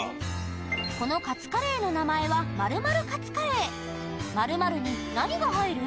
このカツカレーの名前は○○カツカレー○○に何が入る？